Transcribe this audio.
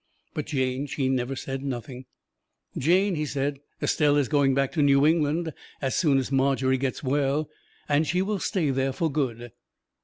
But Jane she never said nothing. "Jane," he says, "Estelle is going back to New England, as soon as Margery gets well, and she will stay there for good."